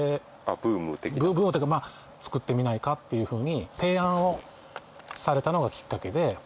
ブームというかまあ作ってみないか？っていうふうに提案をされたのがきっかけで。